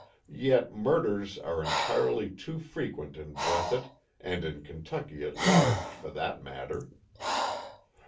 Yet, murders are entirely too frequent in Breathitt, and in Kentucky at large, for that matter.